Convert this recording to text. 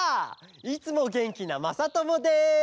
いつもげんきなまさともです！